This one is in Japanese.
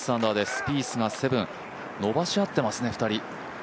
スピースが７、伸ばし合ってますね、２人。